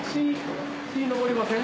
血上りません？